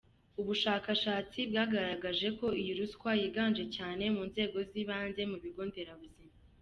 Ubushakashatsi bwagaragaje ko iyi ruswa yiganje cyane mu nzego z’ibanze, mu bigo nderabuzima.